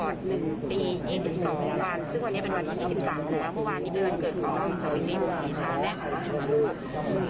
วันนี้เป็นวัน๒๓หรือว่าเมื่อวานนี้เดือนเกิดของสังคมสาวิทยาลัยบุคคิชาแม่ของรัฐมนต์